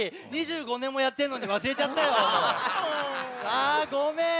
あごめん。